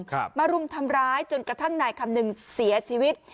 มารุมทำร้ายจนกระทั่งนายคำนึงเสียชีวิต